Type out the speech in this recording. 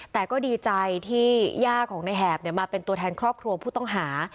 แต่ก็ดีใจที่ย่าของในแหบมาเป็นตัวแทนครอบครัวผู้ต้องหา